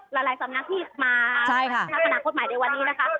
หลายสำนักที่มาพักกำหนักข้ดใหม่ในวันนี้นะคะ